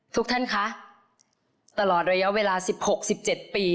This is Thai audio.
ทุกท่านคะตลอดระยะเวลา๑๖๑๗ปี